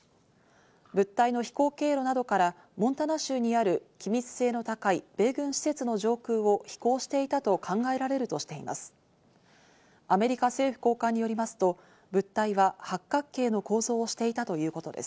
物体の飛行経路などからモンタナ州にある機密性の高い米軍施設の上空を飛行していたと考えられるとしています。